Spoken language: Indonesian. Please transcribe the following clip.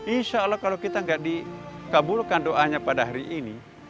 insya allah kalau kita tidak dikabulkan doanya pada hari ini